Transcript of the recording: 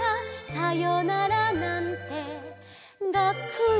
「さよならなんてがっくり」